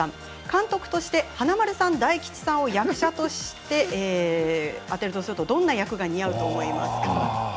監督として、華丸さん大吉さんを役者としてあてるとどんな役が似合うと思いますか。